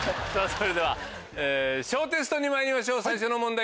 それでは小テストまいりましょう最初の問題